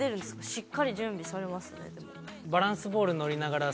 しっかり準備されますねでも。